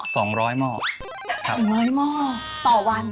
สองร้อยหม้อสองร้อยหม้อต่อวัน